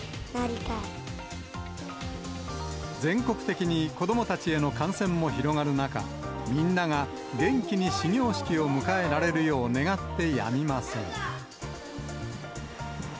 全国的に子どもたちへの感染も広がる中、みんなが元気に始業式を迎えられるよう願ってやみません。